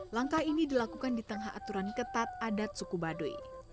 langkah ini dilakukan di tengah aturan ketat adat suku baduy